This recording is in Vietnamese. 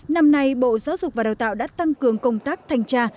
năm nay bộ giáo dục và đào tạo đã tăng cường công tác thanh tra